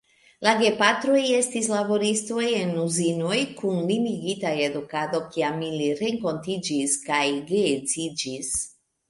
La gepatroj estis laboristoj en uzinoj kun limigita edukado, kiam ili renkontiĝis kaj geedziĝis.